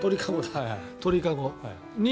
鳥籠。